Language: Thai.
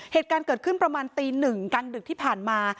เหตุการณ์เกิดขึ้นประมาณตีหนึ่งกลางดึกที่ผ่านมา